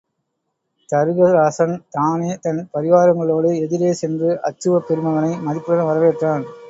தருசகராசன் தானே தன் பரிவாரங்களோடு எதிரே சென்று அச்சுவப் பெருமகனை மதிப்புடன் வரவேற்றான்.